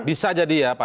bisa jadi ya pak ya